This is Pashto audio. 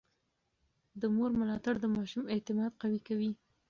د مور ملاتړ د ماشوم اعتماد قوي کوي.